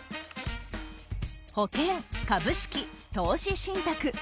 保険、株式、投資信託。